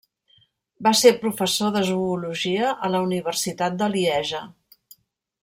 Va ser professor de zoologia a la Universitat de Lieja.